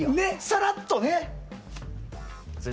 さらっとね。